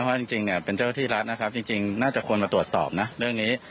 ว่าจริงเนี่ยเป็นเจ้าที่รัฐนะครับจริงน่าจะควรมาตรวจสอบนะเรื่องนี้